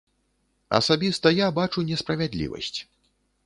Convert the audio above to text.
Асабіста я бачу несправядлівасць.